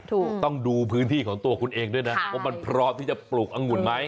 ถูกต้องดูพื้นที่ของตัวคุณเองด้วยนะว่ามันพร้อมที่จะปลูกอังุ่นไหม